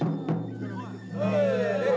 せの！